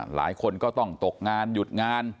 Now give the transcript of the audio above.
หลายคนก็ต้องตกงานหยุดงาน